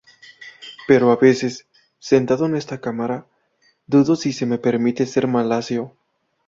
Pero a veces, sentado en esta cámara, dudo si se me permite ser malasio".